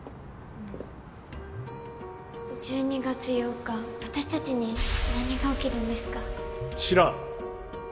１２月８日私たちに何が起きるんですか知らん。